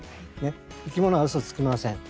いきものはうそつきません。